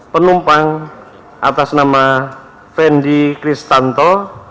penumpang atas nama fenerbahce